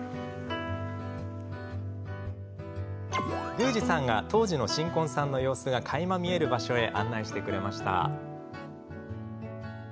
宮司さんが当時の新婚さんの様子がかいま見える場所へ案内してくれました。